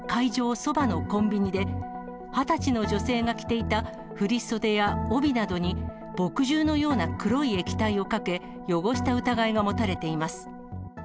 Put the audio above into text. そばのコンビニで、２０歳の女性が着ていた振り袖や帯などに墨汁のような黒い液体をかけ、汚した疑いが持たれています。